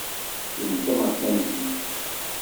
Kemm d tameṛkantit.